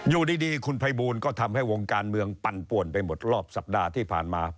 อยู่ดีคุณภัยบูลก็ทำให้วงการเมืองปั่นป่วนไปหมดรอบสัปดาห์ที่ผ่านมา